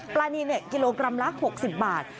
ปลานินกิโลกรัมละ๖๐บาท